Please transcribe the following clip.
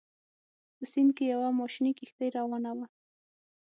په سیند کې یوه ماشیني کښتۍ راروانه وه.